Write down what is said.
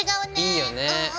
いいよね。